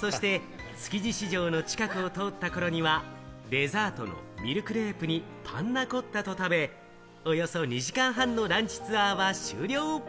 そして築地市場の近くを通った頃にはデザートのミルクレープにパンナコッタを食べ、およそ２時間半のランチツアーは終了。